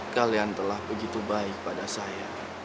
kalian telah begitu baik pada saya